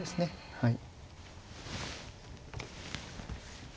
はい。